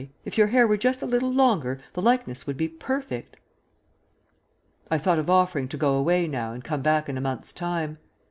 If your hair were just a little longer the likeness would be perfect." I thought of offering to go away now and come back in a month's time.